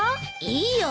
いいよ。